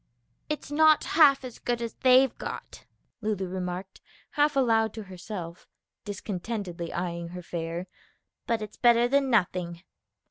"It's not half as good as they've got," Lulu remarked half aloud to herself, discontentedly eying her fare, "but it's better than nothing."